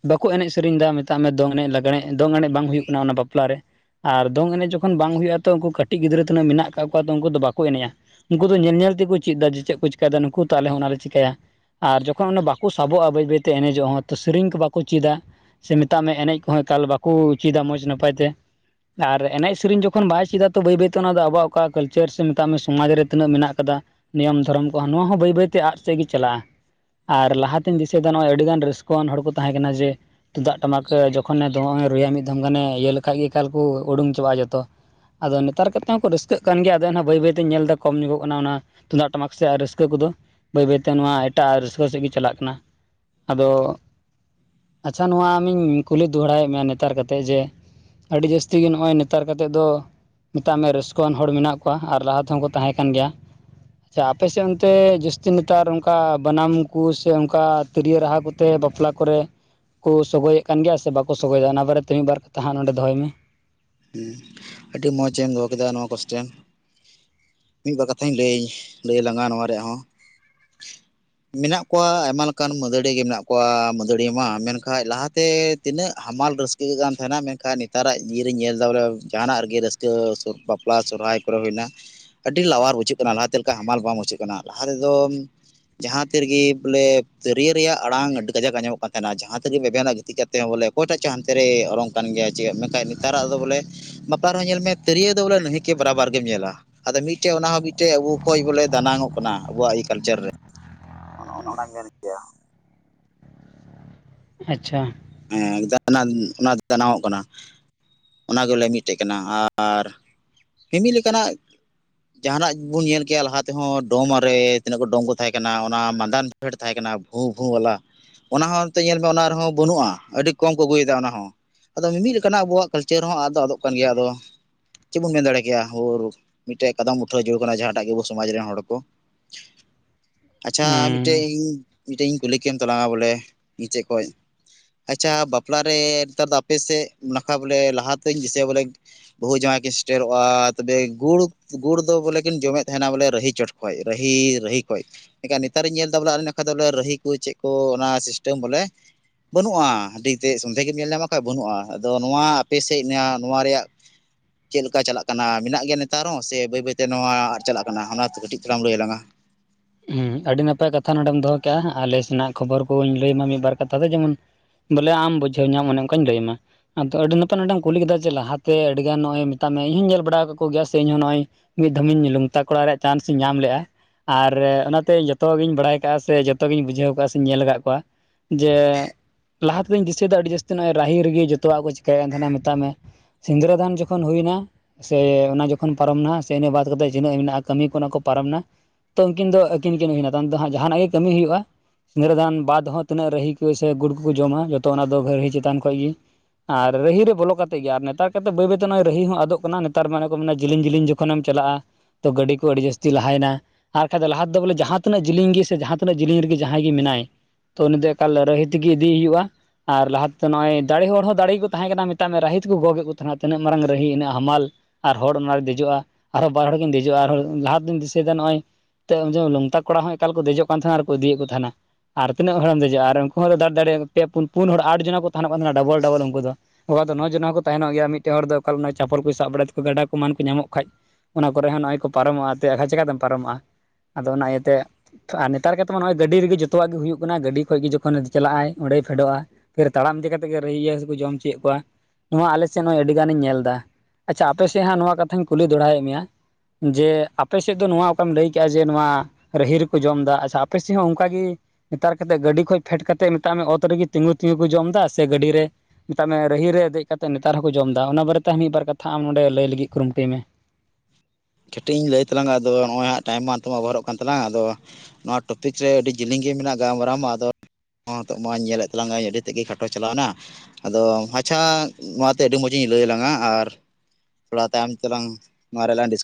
Speaker 1: ᱵᱟᱠᱚ ᱮᱱᱮᱡ ᱥᱮᱨᱮᱧᱫᱟ, ᱢᱮᱛᱟᱜ ᱢᱮ ᱫᱚᱝ ᱮᱱᱮᱡ ᱞᱟᱜᱽᱲᱮ ᱫᱚᱝ ᱮᱱᱮᱡ ᱵᱟᱝ ᱦᱩᱭᱩᱜ ᱠᱟᱱᱟ ᱚᱱᱟ ᱵᱟᱯᱞᱟ ᱨᱮ᱾ ᱟᱨ ᱫᱚᱝ ᱮᱱᱮᱡ ᱡᱚᱠᱷᱚᱱ ᱵᱟᱝ ᱦᱩᱭᱩᱜᱼᱟ ᱛᱚ᱾ ᱩᱱᱠᱩ ᱠᱟᱹᱴᱤᱡ ᱜᱤᱫᱽᱨᱟᱹ ᱛᱤᱱᱟᱹᱜ ᱢᱮᱱᱟᱜ ᱟᱠᱟᱫ, ᱠᱚᱣᱟ ᱛᱚ ᱩᱱᱠᱩ ᱫᱚ ᱵᱟᱠᱚ ᱮᱱᱮᱡᱼᱟ᱾ ᱩᱱᱠᱩ ᱫᱚ ᱧᱮᱞ ᱧᱮᱞ ᱛᱮᱠᱚ ᱪᱮᱫ ᱫᱟ ᱪᱮᱫ ᱠᱚ ᱪᱮᱠᱟᱹᱭ ᱫᱟ? ᱱᱩᱠᱩ ᱛᱟᱞᱮ ᱦᱚᱸ ᱚᱱᱟᱞᱮ ᱪᱤᱠᱟᱭᱟ ᱟᱨ ᱡᱚᱠᱷᱚᱱ ᱵᱟ ᱵᱟᱠᱚ ᱥᱟᱵᱚᱜᱼᱟ ᱵᱟᱹᱭ ᱵᱟᱹᱭᱛᱮ ᱮᱱᱮᱡᱚᱜ ᱦᱚᱸ ᱛᱚ ᱥᱮᱨᱮᱧ ᱠᱚ ᱵᱟᱠᱚ ᱪᱮᱫᱟ? ᱥᱮ ᱢᱮᱛᱟᱜ ᱢᱮ ᱮᱱᱮᱡ ᱠᱚᱦᱚᱸ ᱮᱠᱟᱞ ᱵᱟᱠᱚ ᱪᱮᱫᱟ ᱢᱚᱡᱽ ᱱᱟᱯᱟᱭ ᱛᱮ᱾ ᱟᱨ ᱮᱱᱮᱡ ᱥᱮᱨᱮᱧ ᱡᱚᱠᱷᱚᱱ ᱵᱟᱭ ᱪᱮᱫᱟ, ᱛᱚ ᱵᱟᱹᱭ ᱵᱟᱹᱭᱛᱮ ᱚᱱᱟ ᱫᱚ ᱟᱵᱚᱣᱟᱜ ᱚᱠᱟ ᱠᱟᱞᱪᱟᱨ ᱥᱮ ᱢᱮᱛᱟᱜ ᱢᱮ, ᱥᱚᱢᱟᱡᱽ ᱨᱮ ᱛᱤᱱᱟᱹᱜ ᱢᱮᱱᱟᱜ ᱠᱟᱫᱟ᱾ ᱱᱤᱭᱚᱢ ᱫᱷᱚᱨᱚᱢ ᱠᱚᱦᱚᱸ ᱱᱚᱣᱟ ᱦᱚᱸ ᱵᱟᱹᱭ ᱵᱟᱹᱭᱛᱮ ᱟᱫ ᱥᱮᱫ ᱜᱮ ᱪᱟᱞᱟᱜᱼᱟ᱾ ᱟᱨ ᱞᱟᱦᱟᱛᱮᱧ ᱫᱤᱥᱟᱹᱭᱫᱟ, ᱱᱚᱜᱼᱚᱭ ᱟᱹᱰᱤᱜᱟᱱ ᱨᱟᱹᱥᱠᱟᱹᱣᱟᱱ ᱦᱚᱲ ᱠᱚ ᱛᱟᱦᱮᱸ ᱠᱟᱱᱟ ᱡᱮ᱾ ᱛᱩᱫᱟᱜ ᱴᱟᱢᱟᱠᱮ ᱡᱚᱠᱷᱚᱱᱮ ᱫᱚᱝ, ᱨᱩᱭᱟ ᱢᱤᱫ ᱫᱷᱷᱟᱢ ᱜᱟᱱᱮ ᱤᱭᱟᱹ ᱞᱮᱠᱷᱟᱡ ᱜᱮ ᱮᱠᱟᱞ ᱠᱚ ᱩᱰᱩᱠ ᱪᱟᱵᱟᱜᱼᱟ ᱡᱚᱛᱚ᱾ ᱟᱫᱚ ᱱᱮᱛᱟᱨ ᱠᱟᱛᱮ ᱦᱚᱸᱠᱚ ᱨᱟᱹᱥᱠᱟᱹᱜ ᱠᱟᱱ ᱜᱮᱭᱟ᱾ ᱟᱫᱚ ᱚᱱᱟ ᱵᱟᱹᱭ ᱵᱟᱹᱭᱛᱮ ᱧᱮᱞ ᱮᱫᱟ ᱠᱚᱢ ᱧᱚᱜᱚᱜ ᱠᱟᱱᱟ ᱚᱱᱟ᱾ ᱛᱩᱢᱫᱟᱜ ᱴᱟᱢᱟᱠ ᱥᱮᱫ ᱟᱨ ᱨᱟᱹᱥᱠᱟᱹ ᱠᱚᱫᱚ ᱵᱟᱹᱭ ᱵᱟᱹᱭᱛᱮ ᱱᱚᱣᱟ ᱮᱴᱟᱜ ᱨᱟᱹᱥᱠᱟᱹ ᱥᱮᱫ ᱜᱮ ᱪᱟᱞᱟᱜ ᱠᱟᱱᱟ ᱟᱫᱚ ᱟᱪᱪᱷᱟ ᱱᱚᱣᱟ ᱟᱢᱤᱧ ᱠᱩᱞᱤ ᱫᱚᱦᱲᱟᱭᱮᱫ ᱢᱮᱭᱟ᱾ ᱱᱮᱛᱟᱨ ᱠᱟᱛᱮᱫ ᱡᱮ ᱟᱹᱰᱤ ᱡᱟᱹᱥᱛᱤ ᱜᱮ, ᱱᱚᱜᱼᱚᱭ ᱱᱮᱛᱟᱨ ᱠᱟᱛᱮᱫ ᱫᱚ ᱢᱮᱛᱟᱜ ᱢᱮ ᱨᱟᱹᱥᱠᱟᱹᱣᱟᱱ ᱦᱚᱲ ᱢᱮᱱᱟᱜ ᱠᱚᱣᱟ ᱟᱨ ᱞᱟᱦᱟ ᱛᱮᱦᱚᱸ ᱠᱚ ᱛᱟᱦᱮᱸ ᱠᱟᱱ ᱜᱮᱭᱟ᱾ ᱟᱪᱪᱷᱟ ᱟᱯᱮᱥᱮᱫ ᱚᱱᱛᱮ ᱡᱟᱹᱥᱛᱤ ᱱᱮᱛᱟᱨ ᱚᱱᱠᱟ ᱵᱟᱱᱟᱢ ᱠᱩ ᱥᱮ ᱚᱱᱠᱟ ᱛᱤᱨᱭᱳ ᱨᱟᱦᱟ ᱠᱚᱛᱮ ᱵᱟᱯᱞᱟ ᱠᱚᱨᱮ ᱠᱚ ᱥᱚᱜᱚᱭᱮᱫ ᱠᱟᱱ ᱜᱮᱭᱟ ᱥᱮ ᱵᱟᱠᱚ ᱥᱚᱜᱚᱭᱮᱫᱟ᱾ ᱚᱱᱟ ᱵᱟᱨᱮᱛᱮ ᱢᱤᱫ ᱵᱟᱨ ᱠᱟᱛᱷᱟ ᱦᱟᱸᱜ ᱱᱚᱰᱮ ᱫᱚᱦᱚᱭ ᱢᱮ᱾
Speaker 2: ᱟᱹᱰᱤ ᱢᱚᱸᱡᱽ ᱮᱢ ᱫᱚᱦᱚ ᱠᱮᱫᱟ ᱱᱚᱣᱟ ᱠᱚᱥᱪᱮᱱ᱾ ᱢᱤᱫ ᱵᱟᱨ ᱠᱟᱛᱷᱟᱧ ᱞᱟᱹᱭᱟᱹᱧ ᱞᱟᱹᱭ ᱟᱞᱟᱝᱟ ᱱᱚᱣᱟ ᱨᱮᱭᱟᱜ ᱦᱚᱸ᱾
Speaker 1: <inaudible>
Speaker 2: ᱢᱮᱱᱟᱜ ᱠᱚᱣᱟ, ᱟᱭᱢᱟ ᱞᱮᱠᱟᱱ ᱢᱟᱹᱫᱟᱹᱲᱤ ᱜᱮ ᱢᱮᱱᱟᱜ ᱠᱚᱣᱟ᱾ ᱢᱟᱹᱫᱟᱹᱲᱤᱭᱟᱹ ᱢᱟ ᱢᱮᱱᱠᱷᱟᱱ ᱞᱟᱦᱟᱛᱮ ᱛᱤᱱᱟᱹᱜ ᱦᱟᱢᱟᱞ ᱨᱟᱹᱥᱠᱟᱹ ᱪᱤᱠᱟᱹᱜ ᱠᱟᱱ ᱛᱟᱦᱮᱱᱟ, ᱢᱮᱱᱠᱷᱟᱱ ᱱᱮᱛᱟᱨᱟᱜ ᱤᱭᱟᱹᱨᱮ ᱧᱮᱞ ᱮᱫᱟ ᱵᱚᱞᱮ ᱡᱟᱦᱟᱱᱟᱜ ᱨᱮᱜᱮ ᱨᱟᱹᱥᱠᱟᱹ ᱵᱟᱯᱞᱟ ᱥᱚᱨᱦᱟᱭ ᱠᱚᱨᱮ ᱦᱩᱭᱱᱟ᱾ ᱟᱹᱰᱤ ᱞᱟᱣᱟᱨ ᱵᱩᱡᱷᱟᱹᱜ ᱠᱟᱱᱟ, ᱞᱟᱦᱟ ᱛᱮ ᱞᱮᱠᱟ ᱦᱟᱢᱟᱞ ᱵᱟᱝ ᱵᱩᱡᱷᱟᱹᱜ ᱠᱟᱱᱟ᱾ ᱞᱟᱦᱟ ᱨᱮᱫᱚ ᱡᱟᱦᱟᱸ ᱛᱤᱨᱮᱜᱮ ᱵᱚᱞᱮ ᱛᱤᱨᱭᱳ ᱨᱮᱭᱟᱜ ᱟᱲᱟᱝ ᱟᱹᱰᱤ ᱠᱟᱡᱟᱠ ᱟᱸᱡᱚᱢᱚᱜ ᱠᱟᱱ ᱛᱟᱦᱮᱱᱟ᱾ ᱡᱟᱦᱟᱸ ᱛᱤᱨᱮᱜᱮ ᱮᱵᱷᱮᱱᱚᱜ ᱜᱤᱛᱤᱡ ᱠᱟᱛᱮ ᱛᱮᱦᱚᱸ ᱵᱚᱞᱮ ᱚᱠᱚᱭᱴᱟᱜ ᱪᱚ ᱦᱟᱱᱛᱮ ᱨᱮᱭ ᱚᱨᱚᱝ ᱠᱟᱱ ᱜᱮᱭᱟ᱾ ᱪᱮᱫ ᱢᱮᱱᱠᱟᱱ ᱱᱮᱛᱟᱨᱟᱜ ᱫᱚ ᱵᱚᱞᱮ ᱢᱟᱯᱞᱟ ᱨᱮᱦᱚᱸ ᱧᱮᱞ ᱢᱮ ᱛᱤᱨᱭᱳ ᱫᱚ ᱵᱚᱞᱮ ᱱᱟᱹᱦᱤᱠᱮ ᱵᱟᱨᱵᱟᱨ ᱜᱮᱢ ᱧᱮᱞᱟ᱾ ᱟᱫᱚ ᱢᱤᱫᱴᱮᱡ ᱚᱱᱟ ᱦᱚᱸᱢᱤᱫᱴᱮᱡ ᱟᱵᱚ ᱠᱷᱚᱡ ᱵᱚᱞᱮ ᱫᱟᱱᱟᱝᱚᱜ ᱠᱟᱱᱟ, ᱟᱵᱚᱣᱟᱜ ᱠᱟᱞᱪᱟᱨ ᱨᱮ᱾ ᱚᱱ ᱚᱱᱟ ᱠᱟᱱ ᱜᱮᱭᱟ,
Speaker 1: ᱟᱪᱪᱷᱟ
Speaker 2: ᱦᱮᱸ ᱚᱱᱟ ᱚᱱᱟ ᱫᱟᱱᱟᱝ-ᱚᱜ ᱠᱟᱱᱟ᱾ ᱚᱱᱟ ᱜᱚᱞᱮ ᱢᱤᱫᱴᱮᱡ ᱠᱟᱱᱟ ᱟᱨ ᱢᱤᱢᱤᱫ ᱞᱮᱠᱟᱱᱟᱜ ᱡᱟᱦᱟᱱᱟᱜ ᱵᱚᱱ ᱧᱮᱞ ᱠᱮᱭᱟ ᱞᱟᱦᱟ ᱛᱮᱦᱚᱸ ᱰᱳᱢᱟᱨᱮ ᱛᱤᱱᱟᱹᱜ ᱠᱚ ᱰᱚᱢ ᱠᱚ ᱛᱟᱦᱮᱸ ᱠᱟᱱᱟ᱾ ᱚᱱᱟ ᱢᱟᱸᱫᱟᱱ ᱯᱷᱮᱰ ᱛᱟᱦᱮᱸ ᱠᱟᱱᱟ ᱵᱷᱩ ᱵᱷᱩ ᱵᱟᱞᱟ᱾ ᱚᱱᱟ ᱦᱚᱸᱱᱚᱛᱮ ᱧᱮᱞ ᱢᱮ ᱚᱱᱟ ᱨᱮᱦᱚᱸ ᱵᱟᱹᱱᱩᱜᱼᱟ᱾ ᱟᱹᱰᱤ ᱠᱚᱢ ᱠᱚ ᱟᱹᱜᱩᱭ ᱮᱫᱟ ᱚᱱᱟ ᱦᱚᱸ ᱟᱫᱚ ᱢᱤ-ᱢᱤᱫ ᱞᱮᱠᱟᱱᱟᱜ ᱟᱵᱚᱣᱟᱜ ᱠᱟᱞᱪᱟᱨ ᱦᱚᱸ ᱟᱫ ᱫᱚ ᱟᱫᱚᱜ ᱠᱟᱱ ᱜᱮᱭᱟ ᱟᱫᱚ ᱪᱮᱫ ᱵᱚᱱ ᱢᱮᱱ ᱫᱟᱲᱮ ᱠᱮᱭᱟ ᱦᱩᱶᱟᱹᱨᱩᱵ ᱢᱤᱫᱴᱮᱱ ᱠᱟᱫᱚᱢ ᱩᱴᱷᱟᱹᱣ ᱡᱩᱲ ᱠᱟᱱᱟ ᱡᱟᱦᱟᱸᱴᱟᱜ ᱜᱮ ᱟᱵᱚ ᱥᱚᱢᱟᱡᱽ ᱨᱮᱱ ᱦᱚᱲ ᱠᱚ
Speaker 1: <inaudible>
Speaker 2: ᱟᱪᱪᱷᱟ
Speaker 1: ᱦᱮᱸ
Speaker 2: ᱢᱤᱫᱴᱮᱡ ᱤᱧ ᱢᱤᱫᱴᱮᱡ ᱤᱧ ᱠᱩᱞᱤ ᱠᱮᱢ ᱛᱟᱞᱟᱝᱟ ᱵᱚᱞᱮ ᱤᱧᱴᱮᱡ ᱠᱷᱚᱱ ᱟᱪᱪᱷᱟ ᱵᱟᱯᱞᱟ ᱨᱮ ᱱᱮᱛᱟᱨ ᱫᱚ ᱟᱯᱮ ᱥᱮᱫ ᱱᱟᱠᱷᱟ ᱵᱚᱞᱮ ᱞᱟᱦᱟ ᱛᱤᱧ ᱫᱤᱟᱹᱭ ᱵᱚᱞᱮ ᱵᱟᱹᱦᱩ ᱡᱟᱶᱟᱭ ᱠᱤᱱ ᱥᱮᱴᱮᱨᱚᱜᱼᱟ ᱛᱚᱵᱮ ᱜᱩᱲ ᱜᱩᱲ ᱫᱚ ᱵᱚᱞᱮ ᱠᱤᱱ ᱡᱚᱢᱮᱫ ᱛᱟᱦᱮᱱᱟ ᱵᱚᱞᱮ ᱨᱟᱹᱦᱤ ᱪᱚᱴ ᱠᱷᱚᱡ ᱨᱟᱹᱦᱤ ᱨᱟᱹᱦᱤ ᱠᱷᱚᱡ ᱮᱱᱠᱷᱟᱱ ᱱᱮᱛᱟᱨ ᱤᱧ ᱧᱮᱞ ᱮᱫᱟ ᱵᱚᱞᱮ ᱟᱹᱞᱮ ᱱᱟᱠᱷᱟ ᱫᱚ ᱵᱚᱞ ᱨᱟᱹᱦᱤ ᱠᱚ ᱪᱮᱫ ᱠᱚ ᱚᱱᱟ ᱥᱤᱥᱴᱮᱢ ᱵᱚᱞᱮ ᱵᱟᱹᱱᱩᱜᱼᱟ ᱦᱟᱹᱰᱤ ᱛᱮᱫ ᱥᱚᱱᱫᱷᱮ ᱜᱮᱢ ᱧᱮᱞ ᱧᱟᱢᱟ ᱠᱷᱟᱡ ᱵᱟᱹᱱᱩᱜᱼᱟ ᱟᱫᱚ ᱱᱚᱣᱟ ᱟᱯᱮ ᱥᱮᱫ ᱨᱮᱱᱟᱜ ᱱᱚᱣᱟ ᱨᱮᱭᱟᱜ ᱪᱮᱫ ᱞᱮᱠᱟ ᱪᱟᱞᱟᱜ ᱠᱟᱱᱟ? ᱢᱮᱱᱟᱜ ᱜᱮᱭᱟ ᱱᱮᱛᱟᱨ ᱦᱚᱸ ᱥᱮ ᱵᱟᱹᱭ ᱵᱟᱹᱭᱛᱮ ᱱᱚᱣᱟ ᱟᱫ ᱪᱟᱞᱟᱜ ᱠᱟᱱᱟ᱾ ᱚᱱᱟ ᱠᱟᱹᱴᱤᱡ ᱛᱷᱚᱲᱟᱢ ᱞᱟᱹᱭ ᱟᱞᱟᱝᱟ᱾
Speaker 1: ᱦᱮᱸ ᱟᱹᱰᱤ ᱱᱟᱯᱟᱭ ᱠᱟᱛᱷᱟ ᱱᱚᱸᱰᱮᱢ ᱫᱚᱦᱚ ᱠᱮᱜᱼᱟ ᱟᱞᱮ ᱥᱮᱱᱟᱜ ᱠᱷᱚᱵᱚᱨ ᱠᱚᱧ ᱞᱟᱹᱭ ᱟᱢᱟ ᱢᱤᱫᱵᱟᱨ ᱠᱟᱛᱷᱟ ᱫᱚ ᱡᱮᱢᱚᱱ ᱵᱚᱞᱮ ᱟᱢ ᱵᱩᱡᱷᱟᱹᱣ ᱧᱟᱢ ᱚᱱᱮ ᱚᱱᱠᱟᱧ ᱞᱟᱹᱭ ᱢᱟ ᱟᱫᱚ ᱟᱹᱰᱤ ᱱᱟᱯᱟᱭ ᱢᱤᱫᱴᱟᱝ ᱠᱩᱞᱤ ᱠᱮᱫᱟ ᱡᱮ ᱞᱟᱦᱟᱛᱮ ᱟᱹᱰᱤᱜᱟᱱ ᱱᱚᱜᱼᱚᱭ ᱢᱮᱛᱟᱜ ᱢᱮ ᱤᱧ ᱦᱚᱸᱧ ᱧᱮᱞ ᱵᱟᱲᱟ ᱠᱟ ᱠᱚ ᱜᱮᱭᱟ ᱥᱮ ᱤᱧᱦᱚᱸ ᱱᱚᱜᱼᱚᱭ ᱢᱤᱫ ᱫᱚᱢ ᱤᱧ ᱞᱩᱝᱛᱟ ᱠᱚᱲᱟ ᱨᱮᱭᱟᱜ ᱪᱟᱱᱥᱤᱧ ᱧᱟᱢ ᱞᱮᱜᱼᱟ ᱟᱨ ᱚᱱᱟᱛᱮ ᱡᱚᱛᱚ ᱜᱤᱧ ᱵᱟᱲᱟᱭ ᱠᱟᱜᱼᱟ ᱥᱮ ᱡᱚᱛᱚ ᱜᱤᱧ ᱵᱩᱡᱷᱟᱹᱣ ᱠᱟᱜᱼᱟ ᱥᱮᱧ ᱧᱮᱞ ᱟᱠᱟᱫ ᱠᱚᱣᱟ ᱡᱮ ᱞᱟᱦᱟ ᱛᱮᱫᱚᱧ ᱫᱤᱥᱟᱹᱭ ᱮᱫᱟ ᱟᱹᱰᱤ ᱡᱟᱹᱥᱛᱤ ᱱᱚᱜᱼᱚᱭ ᱨᱟᱹᱦᱤ ᱨᱮᱜᱮ ᱡᱚᱛᱚᱣᱟᱜ ᱠᱚ ᱪᱤᱠᱟᱹᱭ ᱠᱟᱱ ᱛᱟᱦᱮᱱᱟ ᱢᱮᱛᱟ ᱢᱮ ᱥᱤᱸᱫᱽᱨᱟᱹᱫᱟᱱ ᱡᱚᱠᱷᱚᱱ ᱦᱩᱭᱱᱟ ᱥᱮ ᱚᱱᱟ ᱡᱚᱠᱷᱚᱱ ᱯᱟᱨᱚᱢᱱᱟ ᱥᱮ ᱤᱱᱟᱹ ᱵᱟᱫ ᱠᱟᱛᱮᱫ ᱛᱤᱱᱟᱹᱜ ᱢᱮᱱᱟᱜᱼᱟ ᱠᱟᱹᱢᱤ ᱚᱱᱟ ᱠᱚ ᱯᱟᱨᱚᱢ ᱱᱟ ᱛᱚ ᱩᱱᱠᱤᱱ ᱫᱚ ᱟᱹᱠᱤᱱ ᱠᱤᱱ ᱦᱩᱭᱱᱟ ᱛᱟᱭᱚᱢ ᱫᱚ ᱡᱟᱦᱟᱱᱟᱜ ᱜᱮ ᱠᱟᱹᱢᱤ ᱦᱩᱭᱩᱜᱼᱟ ᱥᱤᱸᱫᱨᱟᱹᱫᱟᱱ ᱵᱟᱫᱽ ᱦᱚᱸ ᱛᱤᱱᱟᱹᱜ ᱨᱟᱹᱦᱤ ᱠᱚ ᱥᱮ ᱜᱩᱲ ᱠᱚᱠᱚ ᱡᱚᱢᱟ ᱡᱚᱛᱚ ᱚᱱᱟ ᱫᱚ ᱨᱟᱹᱦᱤ ᱪᱮᱛᱟᱱ ᱠᱷᱚᱱ ᱜᱮ ᱟᱨ ᱨᱟᱹᱦᱤ ᱨᱮ ᱵᱚᱞᱚ ᱠᱟᱛᱮᱜ ᱜᱮ ᱟᱨ ᱱᱮᱛᱟᱨ ᱠᱟᱫ ᱵᱟᱹᱭ ᱵᱟᱹᱭᱛᱮ ᱱᱚᱜᱼᱚᱭ ᱨᱟᱹᱦᱤ ᱦᱚᱸ ᱟᱫᱚᱜ ᱠᱟᱱᱟ ᱱᱮᱛᱟᱨ ᱢᱟ ᱚᱱᱮ ᱠᱚ ᱢᱮᱱᱟ ᱡᱮᱞᱮᱧ ᱡᱤᱞᱤᱧ ᱡᱚᱱ ᱡᱚᱠᱷᱚᱱ ᱮᱢ ᱪᱟᱞᱟᱜᱼᱟ ᱛᱚ ᱜᱟᱹᱰᱤ ᱠᱚ ᱟᱹᱰᱤ ᱡᱟᱹᱥᱛᱤ ᱞᱟᱦᱟᱭ ᱮᱱᱟ ᱟᱨ ᱵᱟᱠᱷᱟᱡ ᱞᱟᱦᱟ ᱫᱚ ᱵᱚᱞᱮ ᱡᱟᱦᱟᱸ ᱛᱤᱱᱟᱹᱜ ᱡᱮᱞᱮᱧ ᱜᱮ ᱥᱮ ᱡᱟᱦᱟᱸᱛᱤᱱᱟᱹᱜ ᱡᱮᱞᱮᱧ ᱨᱮᱜᱮ ᱡᱟᱦᱟᱸᱭ ᱜᱮ ᱢᱮᱱᱟᱭ ᱛᱚ ᱩᱱᱤ ᱫᱚ ᱮᱠᱟᱞ ᱨᱟᱹᱦᱤ ᱛᱮ ᱜᱮ ᱤᱫᱤ ᱦᱩᱭᱩᱜᱼᱟ ᱟᱨ ᱞᱟᱦᱟ ᱛᱮᱫᱚ ᱱᱚᱜᱼᱚᱭ ᱫᱟᱲᱮ ᱦᱚᱲ ᱦᱚᱸ ᱫᱟᱲᱮ ᱜᱮ ᱠᱚ ᱛᱟᱦᱮᱸ ᱠᱟᱱᱟ ᱢᱮᱛᱟᱜ ᱢᱮ ᱨᱟᱹᱦᱤ ᱛᱮᱠᱚ ᱜᱚᱜᱮᱫ ᱠᱚ ᱛᱟᱦᱮᱱᱟ ᱛᱤᱱᱟᱹᱜ ᱢᱟᱨᱟᱝ ᱨᱟᱹᱦᱤ ᱤᱱᱟᱹᱜ ᱦᱟᱢᱟᱞ ᱟᱨ ᱦᱚᱲ ᱚᱱᱟᱨᱮ ᱫᱮᱡᱚᱜᱼᱟ ᱟᱨᱦᱚᱸ ᱵᱟᱨ ᱦᱚᱲ ᱠᱤᱱ ᱫᱮᱡᱚᱜᱼᱟ ᱟᱨ ᱞᱟᱦᱟ ᱛᱤᱧ ᱫᱤᱥᱟᱹᱭ ᱮᱫᱟ ᱱᱚᱜᱼᱚᱭ ᱞᱚᱝᱛᱟ ᱠᱚᱲᱟ ᱦᱚᱸ ᱮᱠᱟᱞ ᱠᱚ ᱫᱮᱡᱚᱜ ᱠᱟᱱ ᱛᱟᱦᱮᱱᱟ ᱟᱨ ᱠᱚ ᱤᱫᱤᱭᱮᱫ ᱠᱚ ᱛᱟᱦᱮᱱᱟ ᱟᱨ ᱛᱤᱱᱟᱹᱜ ᱦᱚᱲᱮᱢ ᱫᱮᱡᱚᱜ ᱟᱨ ᱩᱱᱠᱩ ᱦᱚᱸ ᱫᱟᱲᱮ ᱫᱟᱲᱮ ᱯᱮ ᱯᱩᱱ ᱯᱩᱱ ᱦᱚᱲ ᱟᱴ ᱡᱚᱱᱟ ᱠᱚ ᱛᱟᱦᱮᱱ ᱠᱟᱱ ᱛᱟᱦᱮᱱᱟ ᱰᱚᱵᱚᱞ ᱰᱟᱵᱚᱞ ᱩᱱᱠᱩ ᱫᱚ ᱚᱸ ᱫᱚ ᱱᱚ ᱡᱚᱱ ᱠᱚ ᱛᱟᱦᱮᱱᱚᱜ ᱜᱮᱭᱟ ᱢᱤᱫᱴᱮᱱ ᱦᱚᱲ ᱫᱚ ᱚᱠᱟ ᱱᱚᱜᱚᱭ ᱪᱟᱯᱚᱞ ᱠᱚ ᱥᱟᱵ ᱵᱟᱲᱟ ᱛᱮᱠᱚ ᱜᱟᱰᱟ ᱠᱚ ᱮᱢᱟᱱ ᱠᱚ ᱧᱟᱢᱚᱜ ᱠᱷᱟ ᱚᱱᱟ ᱠᱚᱨᱮ ᱦᱚᱸ ᱱᱟᱜᱼᱚᱭ ᱠᱚ ᱯᱟᱨᱚᱢᱚᱜᱼᱟ ᱟᱸᱠᱷᱟ ᱪᱠᱟᱛᱮᱢ ᱯᱟᱨᱚᱢᱚᱜᱼᱟ ᱟᱫᱚ ᱚᱱᱟ ᱤᱭᱟᱹ ᱛᱮ ᱟᱨ ᱱᱮᱛᱟᱨ ᱜᱮᱛᱚ ᱱᱚᱜᱼᱚᱭ ᱜᱟᱹᱰᱤ ᱨᱮᱜᱮ ᱡᱚᱛᱚᱣᱟᱜ ᱜᱮ ᱦᱩᱭᱩᱜ ᱠᱟᱱᱟ ᱜᱟᱹᱰᱤ ᱠᱷᱚᱱ ᱜᱮ ᱡᱚᱠᱷᱚᱱ ᱪᱟᱞᱟᱜᱼ ᱟᱭ ᱚᱸᱰᱮᱭ ᱯᱷᱮᱰᱚᱜᱼᱟ ᱯᱷᱤᱨ ᱛᱟᱲᱟᱢ ᱤᱫᱤ ᱠᱟᱛᱮᱜ ᱜᱮ ᱨᱦᱤᱭᱟᱹ ᱥᱮ ᱠᱚ ᱡᱚᱢ ᱦᱚᱪᱚᱭᱮᱫ ᱠᱚᱣᱟ ᱱᱚᱣᱟ ᱟᱞᱮᱥᱮᱫ ᱱᱚ ᱟᱹᱰᱤ ᱜᱟᱱᱤᱧ ᱧᱮᱞ ᱮᱫᱟ ᱟᱪᱪᱷᱟ ᱟᱯᱮᱥᱮᱫ ᱦᱟᱜ ᱱᱚᱣᱟ ᱠᱟᱛᱷᱟᱧ ᱠᱩᱞᱤ ᱫᱚᱲᱦᱟᱭᱮᱫ ᱢᱮᱭᱟ ᱡᱮ ᱟᱯᱮᱥᱮᱫ ᱫᱚ ᱱᱚᱣᱟ ᱚᱠᱟᱢ ᱞᱟᱹᱭ ᱠᱮᱫ ᱠᱟ ᱡᱮ ᱱᱚᱣᱟ ᱨᱟᱹᱦᱤ ᱨᱮ ᱠᱚ ᱡᱚᱢ ᱮᱫᱟ ᱟᱪᱪᱷᱟ ᱟᱯᱮ ᱥᱮᱫ ᱦᱚᱸ ᱚᱱᱠᱟᱜ ᱜᱮ ᱱᱮᱛᱟᱨ ᱠᱟᱛᱮᱫ ᱜᱟᱹᱰᱤ ᱠᱷᱚᱡ ᱯᱷᱮᱰ ᱠᱟᱛᱮᱫ ᱢᱮᱛᱟᱜ ᱢᱮ ᱚᱛ ᱨᱮ ᱜᱮ ᱛᱤᱸᱜᱩ ᱛᱤᱸᱜᱩ ᱠᱚ ᱡᱚᱢᱮᱫᱟ ᱥᱮ ᱜᱟᱹᱰᱤ ᱨᱮ ᱢᱮᱛᱟᱜ ᱢᱮ ᱨᱟᱹᱦᱤ ᱨᱮ ᱫᱮᱡ ᱠᱟᱛᱮᱫ ᱱᱮᱛᱟᱨ ᱦᱚᱸᱠᱚ ᱡᱚᱢ ᱮᱫᱟ ᱚᱱᱟ ᱵᱟᱨᱮ ᱛᱮ ᱢᱤᱫ ᱵᱟᱨ ᱠᱟᱛᱷᱟ ᱟᱢ ᱱᱚᱰᱮ ᱞᱟᱹᱭ ᱞᱟᱹᱜᱤᱫ ᱠᱩᱨᱩᱢᱩᱴᱩᱭ ᱢᱮ
Speaker 2: ᱠᱟᱹᱴᱤᱡ ᱤᱧ ᱞᱟᱹᱭ ᱛᱟᱞᱟᱝᱟ ᱟᱫᱚ ᱱᱚᱜᱼᱚᱭ ᱦᱟᱜ ᱴᱟᱭᱤᱢ ᱢᱟ ᱚᱵᱚᱦᱟᱨᱚᱜ ᱠᱟᱱ ᱛᱟᱞᱟᱝ ᱟᱫᱚ ᱱᱚᱣᱟ ᱴᱚᱯᱤᱠ ᱨᱮ ᱟᱹᱰᱤ ᱡᱮᱞᱤᱧ ᱜᱮ ᱢᱮᱱᱟᱜᱼᱟ ᱜᱟᱞᱢᱟᱨᱟᱣ ᱢᱟ ᱟᱫᱚ ᱱᱤᱛᱚᱜ ᱢᱟᱧ ᱧᱮᱞᱮᱫ ᱛᱟᱞᱟᱝᱟ ᱤᱧ ᱟᱹᱰᱤ ᱛᱮᱫ ᱜᱮ ᱠᱷᱟᱴᱚ ᱪᱟᱞᱟᱣ ᱮᱱᱟ ᱟᱫᱚ ᱟᱪᱪᱷᱟ ᱱᱚᱣᱟ ᱛᱮ ᱟᱹᱰᱤ ᱢᱚᱡ ᱤᱧ ᱞᱟᱹᱭ ᱟᱞᱟᱝᱟ ᱟᱨ ᱛᱷᱚᱨᱟ ᱛᱟᱭᱱᱚᱢ ᱛᱮᱞᱟᱝ ᱱᱚᱣᱟ ᱛᱮᱞᱟᱝ ᱰᱤᱥ